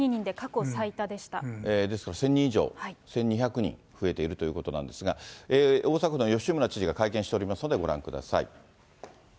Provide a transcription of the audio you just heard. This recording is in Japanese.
ですから１０００人以上、１２００人増えているということなんですが、大阪府の吉村知事が会見しておりますのでご覧ください。